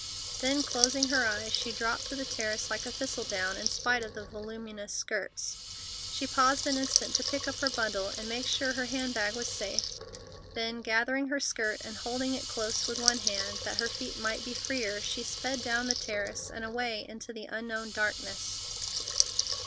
Then, closing her eyes, she dropped to the terrace like a thistledown, in spite of the voluminous skirts. She paused an instant to pick up her bundle and make sure her hand bag was safe, then, gathering her skirt and holding it close with one hand, that her feet might be freer, she sped down the terrace and away into the unknown darkness.